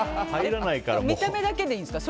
見た目だけでいいんですか？